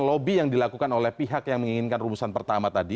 lobby yang dilakukan oleh pihak yang menginginkan rumusan pertama tadi